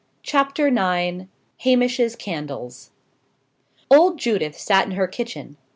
CHAPTER IX. HAMISH'S CANDLES. Old Judith sat in her kitchen.